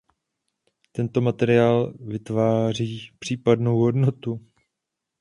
Tento materiál vytváří přidanou hodnotu.